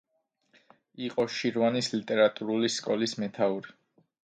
იყო შირვანის ლიტერატურული სკოლის მეთაური.